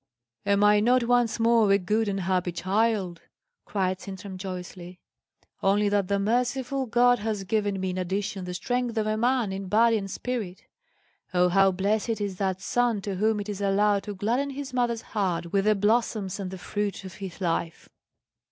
"Am I not once more a good and happy child!" cried Sintram joyously; "only that the merciful God has given me in addition the strength of a man in body and spirit. Oh, how blessed is that son to whom it is allowed to gladden his mother's heart with the blossoms and the fruit of his life!"